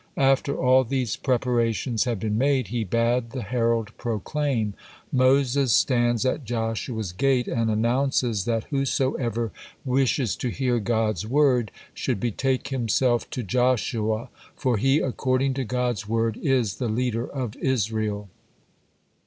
After all these preparations had been made, he bade the herald proclaim: "Moses stands at Joshua's gate and announces that whosoever wishes to hear God's word should betake himself to Joshua, for he, according to God's word, is the leader of Israel."